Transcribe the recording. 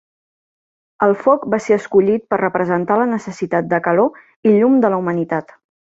El foc va ser escollit per representar la necessitat de calor i llum de la humanitat.